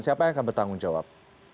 siapa yang akan bertanggung jawab